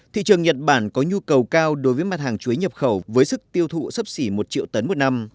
thị trường nhật bản có nhu cầu cao đối với mặt hàng chuối nhập khẩu với sức tiêu thụ sấp xỉ một triệu tấn một năm